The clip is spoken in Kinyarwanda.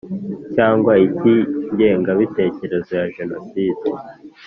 cyangwa icy’ingengabitekerezo ya jenoside